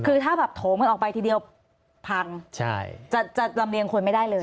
คือถ้าแบบโถมกันออกไปทีเดียวพังจะลำเรียงคนไม่ได้เลย